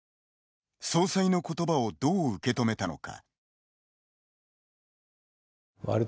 総裁の言葉をどう受け止めたのか。